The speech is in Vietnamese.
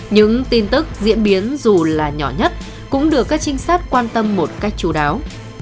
những tin tức diễn biến dù là nhỏ nhất cũng được các trinh sát quan tâm một cách chú đáo